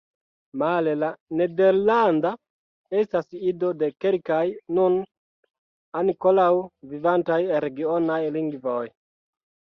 Male, la nederlanda estas ido de kelkaj nun ankoraŭ vivantaj regionaj lingvoj.